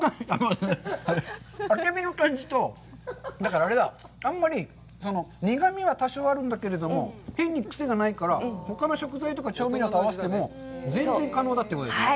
あけびの感じと、だからあれだ、あんまり苦みは多少あるんだけれども、変にくせがないから、ほかの食材とか違うメニューと合わせても全然可能だということですね。